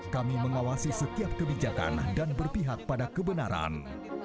kami mengawasi setiap kebijakan dan berpihak pada kebenaran